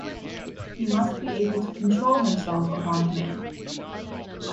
He must be able to control himself upon command.